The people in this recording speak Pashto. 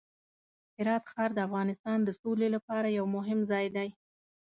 هرات ښار د افغانستان د سولې لپاره یو مهم ځای دی.